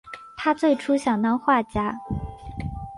他最初想当画家。